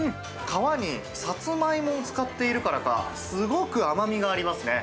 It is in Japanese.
皮にサツマイモを使っているからか、すごく甘みがありますね。